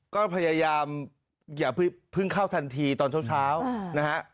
ก็พยายามอย่าเพิ่งเข้าทันทีตอนเช้านะฮะ